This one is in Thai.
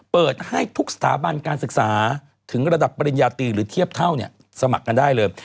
เปิดให้ทุกสถาบันการศึกษาถึงระดับปริญญาตรีหรือเทียบเท่าสมัครกันได้เลย